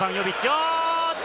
おっと！